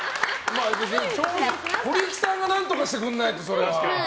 小力さんが何とかしてくれないと。